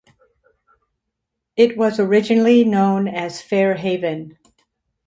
It was originally known as Fair Haven.